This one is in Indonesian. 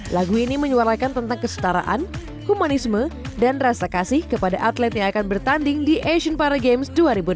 lagu ini menyuarakan tentang kesetaraan humanisme dan rasa kasih kepada atlet yang akan bertanding di asian paragames dua ribu delapan belas